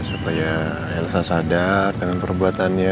supaya elsa sadar dengan perbuatannya